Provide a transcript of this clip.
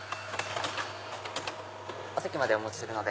お席までお持ちするので。